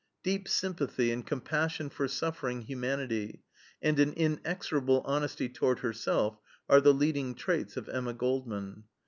Deep sympathy and compassion for suffering humanity, and an inexorable honesty toward herself, are the leading traits of Emma Goldman.